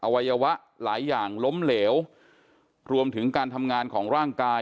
วัยวะหลายอย่างล้มเหลวรวมถึงการทำงานของร่างกาย